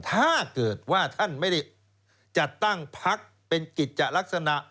ถ้าเกิดว่าท่านไม่ได้จัดตั้งพักเป็นกิจจะลักษณะ